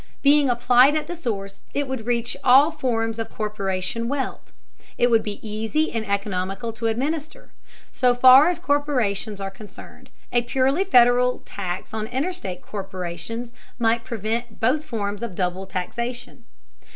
Being applied at the source, it would reach all forms of corporation wealth. It would be easy and economical to administer. So far as corporations are concerned, a purely Federal tax on interstate corporations might prevent both forms of double taxation.